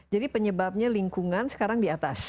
jadi penyebabnya lingkungan sekarang di atas